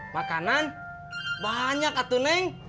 makanan banyak atuneng